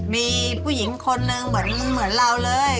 มีผู้หญิงคนนึงเหมือนเราเลย